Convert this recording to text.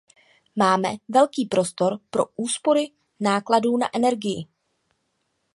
Máme velký prostor pro úspory nákladů na energii.